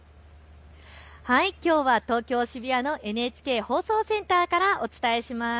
きょうは東京渋谷、ＮＨＫ放送センターからお伝えします。